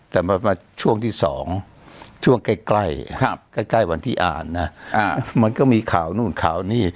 แต่มาช่วงที่๒ช่วงใกล้ใกล้วันที่อ่านนะมันก็มีข่าวนู่นข่าวนี่